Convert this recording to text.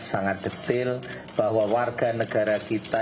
sangat detail bahwa warga negara kita